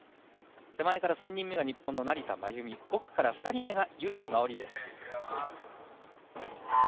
手前から３人目が日本の成田真由美奥から２人目が由井真緒里です。